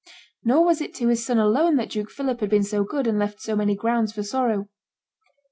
Nor was it to his son alone that Duke Philip had been so good and left so many grounds for sorrow.